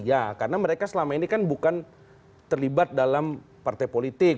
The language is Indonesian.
ya karena mereka selama ini kan bukan terlibat dalam partai politik